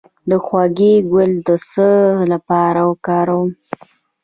د هوږې ګل د څه لپاره وکاروم؟